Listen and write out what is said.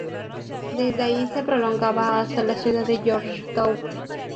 Desde allí se prolongaba hasta la ciudad de George Town.